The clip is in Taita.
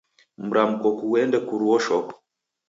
Mramko kughende kuruo shoko.